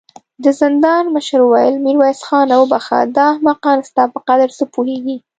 د زندان مشر وويل: ميرويس خانه! وبخښه، دا احمقان ستا په قدر څه پوهېږې.